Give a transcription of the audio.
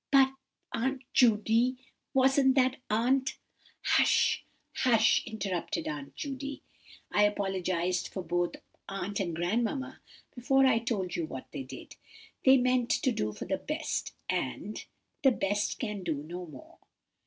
"But, Aunt Judy, wasn't that aunt—" "Hush, hush," interrupted Aunt Judy, "I apologized for both aunt and grandmamma before I told you what they did. They meant to do for the best, and 'The best can do no more.